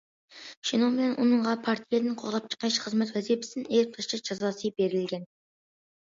شۇنىڭ بىلەن ئۇنىڭغا پارتىيەدىن قوغلاپ چىقىرىش، خىزمەت ۋەزىپىسىدىن ئېلىپ تاشلاش جازاسى بېرىلگەن.